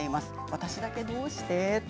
私だけどうして？